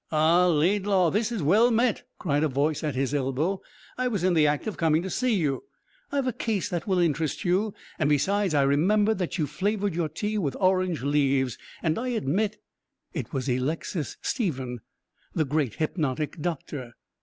"Ah, Laidlaw, this is well met," cried a voice at his elbow; "I was in the act of coming to see you. I've a case that will interest you, and besides, I remembered that you flavoured your tea with orange leaves! and I admit " It was Alexis Stephen, the great hypnotic doctor.